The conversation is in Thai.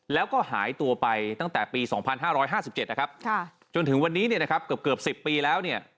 แล้วก็หายตัวไปตั้งแต่ปี๒๕๕๗จนถึงวันนี้เกือบ๑๐ปีแล้ว